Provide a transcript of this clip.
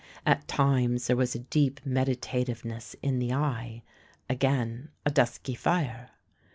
At times there was a deep meditative ness in the eye, again a dusky fire.